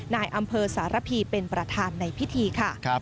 นายอำเภอสารพีเป็นประธานในพิธีค่ะ